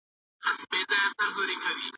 هغه غواړي چي په بهرني هېواد کي زده کړې وکړي.